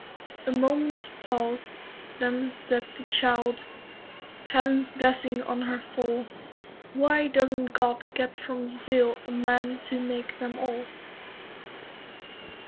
A moment's pause. Then said the child, Heaven's blessing on her fall, "Why doesn't God get from Brazil A man to make them all?"